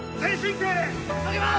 急ぎます！